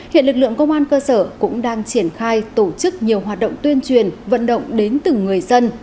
hiện lực lượng công an cơ sở cũng đang triển khai tổ chức nhiều hoạt động tuyên truyền vận động đến từng người dân